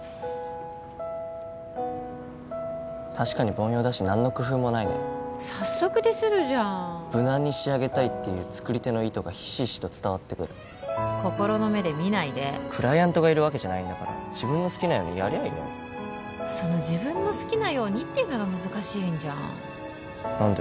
確かに凡庸だし何の工夫もないね早速ディスるじゃん無難に仕上げたいっていう作り手の意図がひしひしと伝わってくる心の目で見ないでクライアントがいるわけじゃないんだから自分の好きなようにやりゃいいのにその「自分の好きなように」っていうのが難しいんじゃん何で？